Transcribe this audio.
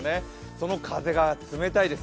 その風が冷たいです。